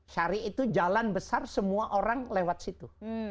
syari itu jalan besar semua orang lewat situ